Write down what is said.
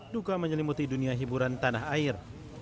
duka menyelimuti dunia hiburan tanah air